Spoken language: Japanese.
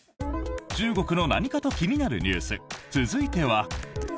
中国の何かと気になるニュース続いては。